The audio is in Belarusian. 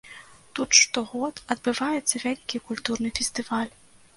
Тут штогод адбываецца вялікі культурны фестываль.